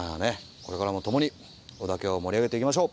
これからも共に織田家を盛り上げていきましょう。